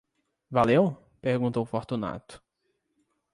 Valeu? perguntou Fortunato.